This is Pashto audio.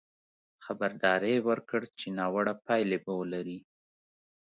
خبرداری یې ورکړ چې ناوړه پایلې به ولري.